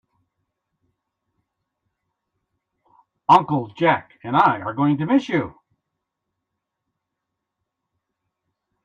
Uncle Jack and I are going to miss you.